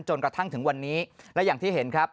จนกระทั่งถึงวันนี้และอย่างที่เห็นครับ